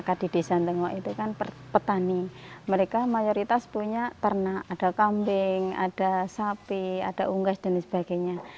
karena di desa tengok itu kan petani mereka mayoritas punya ternak ada kambing ada sapi ada unggas dan sebagainya